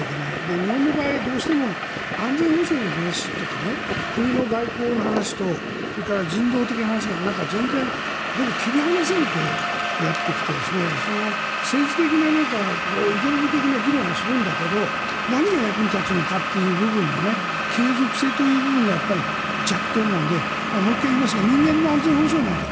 日本の場合、どうしても安全保障の話とか国の外交の話とそれから人道的な話が全部切り離されてやってきて政治的なイデオロギー的な議論はするんだけど何が役に立つのかという部分の継続性という部分がやっぱり弱点なのでもう一回言いますが人間の安全保障なんだと。